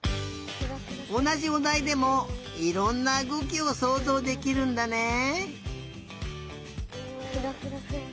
おなじおだいでもいろんなうごきをそうぞうできるんだね。